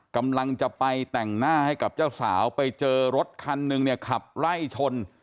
กำลังจะไปแต่งหน้าให้กับเจ้าสาวไปเจอรถคันหนึ่งเนี่ยขับไล่ชน